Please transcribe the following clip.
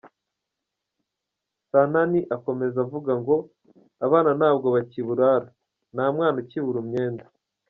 Sanani akomeza avuga, ngo “Abana ntabwo bakiburara, nta mwana ukibura imyenda.